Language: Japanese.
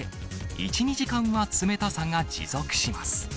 １、２時間は冷たさが持続します。